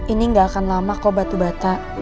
ini gak akan lama kok batu bata